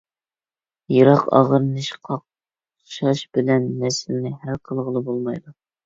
بىراق، ئاغرىنىش، قاقشاش بىلەن مەسىلىنى ھەل قىلغىلى بولمايدۇ.